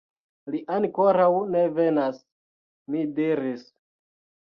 Li ankoraŭ ne venas, mi diris.